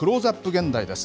現代です。